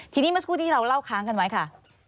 ทีนี้เมื่อสักครู่ที่เราเล่าค้างกันไว้ค่ะ